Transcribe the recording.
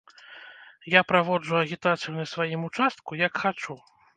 Я праводжу агітацыю на сваім участку як хачу.